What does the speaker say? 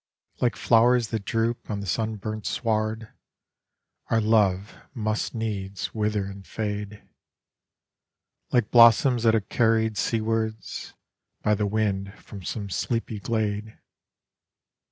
Like flowers that droop on the sunburnt sward Our love must needs wither and fade, Like "blosBoas that are carried seawards By the wind from some sleepy glade.